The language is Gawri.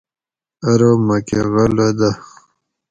ارو مۤکہ غلہ دہ